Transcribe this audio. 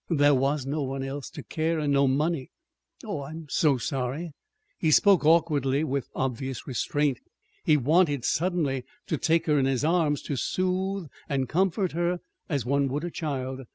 There was no one else to care; and no money." "Oh, I'm so so sorry!" He spoke awkwardly, with obvious restraint. He wanted suddenly to take her in his arms to soothe and comfort her as one would a child.